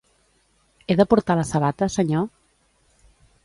He de portar la sabata, senyor?